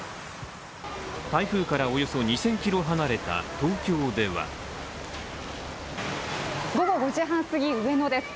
台風からおよそ２０００ｋｍ離れた東京では午後５時半すぎ、上野です。